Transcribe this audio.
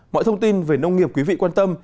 mọi thông tin về nông nghiệp quý vị quan tâm